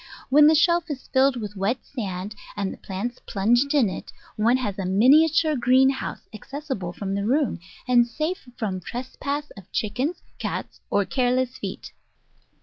When the shelf is filled with wet sand, and the plants plunged in it, one has a miniature greenhouse acces sible from the room, and safe from trespass of chickens, cats, or careless feet.